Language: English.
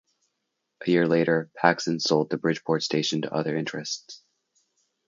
A year later, Paxson sold the Bridgeport station to other interests.